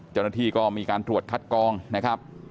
เจ้าหน้าที่ก็มีการตรวจคัดกองนะครับ